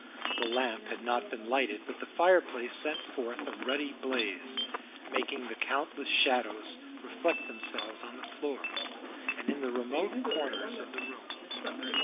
The lamp had not been lighted, but the fireplace sent forth a ruddy blaze, making the countless shadows reflect themselves on the floor, and in the remote corners of the room.